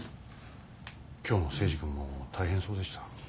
今日の征二君も大変そうでした。